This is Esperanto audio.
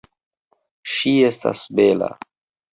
Ŝi estas bela.